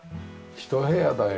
一部屋だよ。